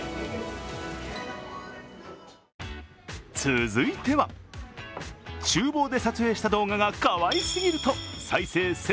続いては、ちゅう房で撮影した動画がかわいすぎると再生